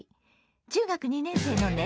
中学２年生のね